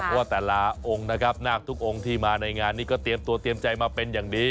เพราะว่าแต่ละองค์นะครับนาคทุกองค์ที่มาในงานนี้ก็เตรียมตัวเตรียมใจมาเป็นอย่างดี